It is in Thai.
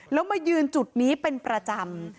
แล้วมายืนจุดนี้เป็นประจำ